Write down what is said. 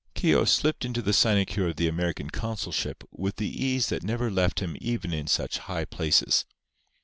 Keogh slipped into the sinecure of the American consulship with the ease that never left him even in such high places.